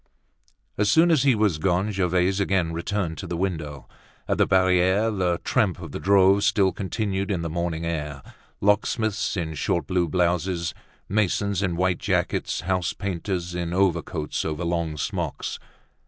As soon as he was gone, Gervaise again returned to the window. At the Barriere, the tramp of the drove still continued in the morning air: locksmiths in short blue blouses, masons in white jackets, house painters in overcoats over long smocks.